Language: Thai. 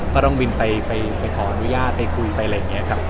ก็ต้องบินไปขออนุญาตไปคุยไปอะไรอย่างนี้ครับ